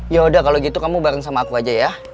yaudah kalau gitu kamu bareng sama aku aja ya